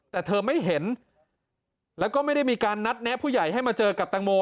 แต่เธอไม่เห็นแล้วก็ไม่ได้มีการนัดแนะผู้ใหญ่ให้มาเจอกับตังโม